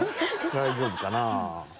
大丈夫かなぁ。